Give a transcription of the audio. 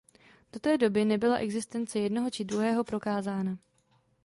Do té doby nebyla existence jednoho či druhého prokázána.